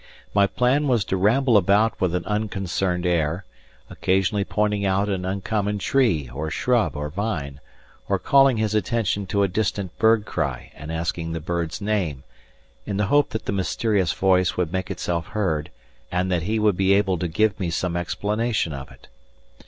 My plan was to ramble about with an unconcerned air, occasionally pointing out an uncommon tree or shrub or vine, or calling his attention to a distant bird cry and asking the bird's name, in the hope that the mysterious voice would make itself heard and that he would be able to give me some explanation of it.